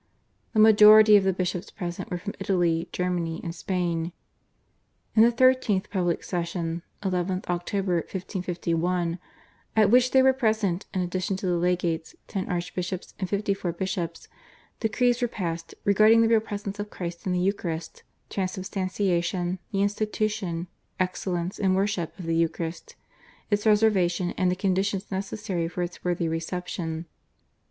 The majority of the bishops present were from Italy, Germany, and Spain. In the 13th public session (11th Oct. 1551), at which there were present in addition to the legates, ten archbishops and fifty four bishops, decrees were passed regarding the Real Presence of Christ in the Eucharist, Transubstantiation, the institution, excellence and worship of the Eucharist, its reservation and the conditions necessary for its worthy reception.